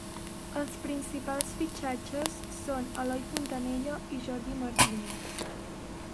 Els principals fitxatges són Eloi Fontanella i Jordi Martínez.